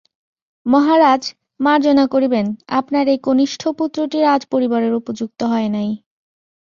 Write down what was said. মহারাজ, মার্জনা করিবেন, আপনার এই কনিষ্ঠ পুত্রটি রাজপরিবারের উপযুক্ত হয় নাই।